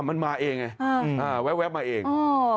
มันมาเองไงแวะมาเอง